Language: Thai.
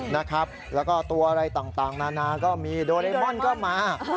แล้วก็ตัวอะไรต่างนานาก็มีโดเรมอนก็มา